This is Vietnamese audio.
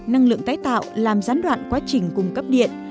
năng lượng tái tạo làm gián đoạn quá trình cung cấp điện